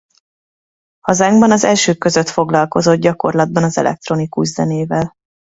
Hazánkban az elsők között foglalkozott gyakorlatban az elektronikus zenével.